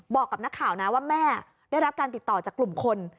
บอกกับนักข่าวนะว่าแม่ได้รับการติดต่อจากกลุ่มคน